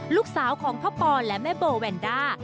ลูกสาวของพ่อปอนและแม่โบแวนด้า